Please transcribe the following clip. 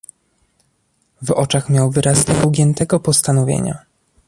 "W oczach miał wyraz nieugiętego postanowienia."